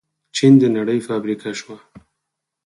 چین د نړۍ فابریکه شوه.